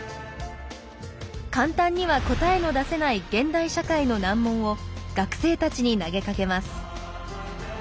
簡単には答えの出せない現代社会の難問を学生たちに投げかけます。